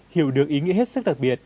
hiểu được ý nghĩa hết sức đặc biệt